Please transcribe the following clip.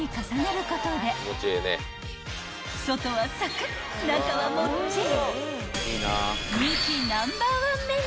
［外はサクッ中はもっちり］